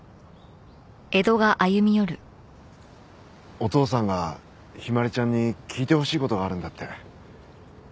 お父さんが陽葵ちゃんに聞いてほしい事があるんだって。